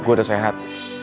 gue udah sehat